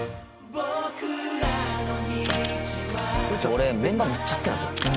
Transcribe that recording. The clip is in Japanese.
俺メンバーむっちゃ好きなんすよ。